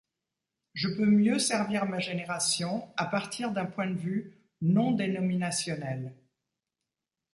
Je peux mieux servir ma génération à partir d'un point de vue non-dénominationnel.